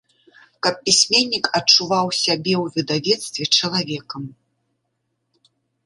Каб пісьменнік адчуваў сябе ў выдавецтве чалавекам!